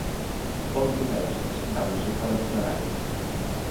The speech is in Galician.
Oito delas presentáronse para declararen.